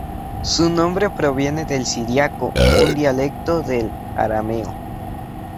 Su nombre proviene del siríaco, un dialecto del arameo.